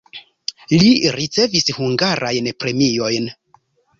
Li ricevis hungarajn premiojn.